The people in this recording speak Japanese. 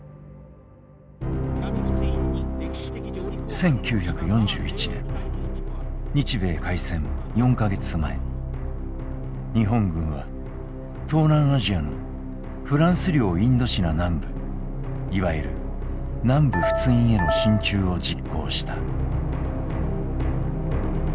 １９４１年日米開戦４か月前日本軍は東南アジアのフランス領インドシナ南部いわゆる南部仏印への進駐を実行した。